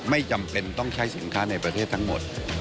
ไม่จำเป็นต้องใช้สินค้าในประเทศทั้งหมด